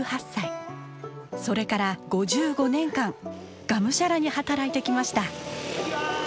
それから５５年間がむしゃらに働いてきました。